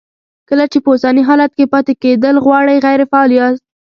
کله چې په اوسني حالت کې پاتې کېدل غواړئ غیر فعال یاست.